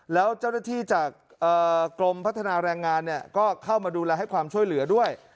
แล้วเจ้าหน้าที่จากกรมพัฒนาแรงงานก็เข้ามาดูแลให้ความช่วยเหลือด้วย